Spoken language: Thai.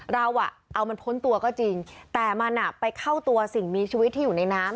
เราเอามันพ้นตัวก็จริงแต่มันไปเข้าตัวสิ่งมีชีวิตที่อยู่ในน้ำ